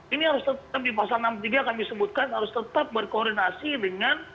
ini harus tetap di pasal enam puluh tiga kami sebutkan harus tetap berkoordinasi dengan